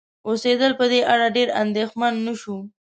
اوسیدل په دې اړه ډېر اندیښمن نشو